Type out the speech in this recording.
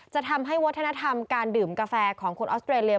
จะทำให้วัฒนธรรมการดื่มกาแฟของคนออสเตรเลีย